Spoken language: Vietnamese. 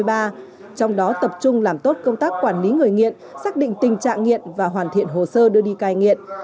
trong đó tập trung làm tốt công tác quản lý người nghiện xác định tình trạng nghiện và hoàn thiện hồ sơ đưa đi cai nghiện